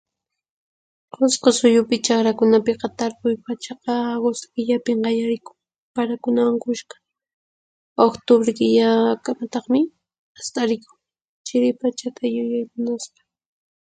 Qusqu suyupi chaqrakunapiqa tarpuy pachaqa akustu killapin qallarikun parakunawan kushka, uqtupri killakamataqmi mast'arikun, chiri pachata yuyaymanaspa.